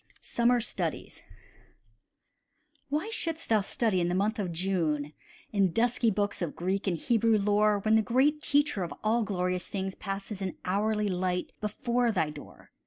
SUMMER STUDIES Why shouldst thou study in the month of June In dusky books of Greek and Hebrew lore, When the Great Teacher of all glorious things Passes in hourly light before thy door?